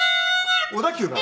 小田急が。